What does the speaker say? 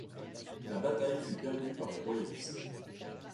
La bataille fut perdue par les royalistes.